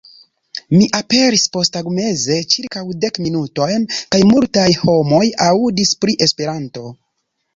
Mi aperis posttagmeze ĉirkaŭ dek minutojn, kaj multaj homoj aŭdis pri Esperanto.